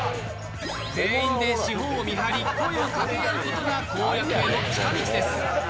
全員で四方を見張り声を掛け合うことが攻略への近道です。